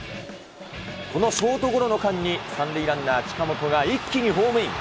このショートゴロの間に、３塁ランナー、近本が一気にホームイン。